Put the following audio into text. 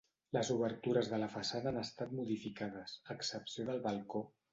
Les obertures de la façana han estat modificades, a excepció del balcó.